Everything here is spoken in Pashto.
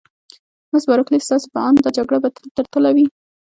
مس بارکلي: ستاسي په اند دا جګړه به تل تر تله وي؟